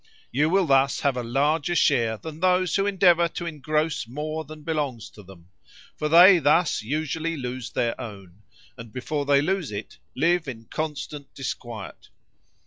You will thus have a larger share than those who endeavor to engross more than belongs to them; for they thus usually lose their own, and before they lose it, live in constant disquiet.